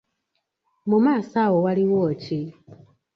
Mu maaso awo waliwo ki?